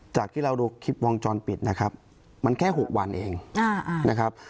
จากที่เราดูคลิปวงจรปิดนะครับมันแค่๖วันเองนะครับ